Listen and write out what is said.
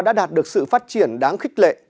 đã đạt được sự phát triển đáng khích lệ